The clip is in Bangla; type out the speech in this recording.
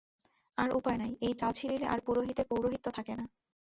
আর উপায় নাই, এ জাল ছিঁড়িলে আর পুরোহিতের পৌরোহিত্য থাকে না।